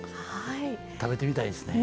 食べてみたいですね。